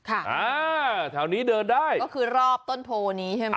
อ่าแถวนี้เดินได้ก็คือรอบต้นโพนี้ใช่ไหม